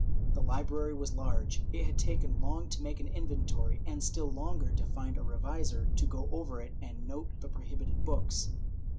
The library was large; it had taken long to make an inventory and still longer to find a revisor to go over it and note the prohibited books.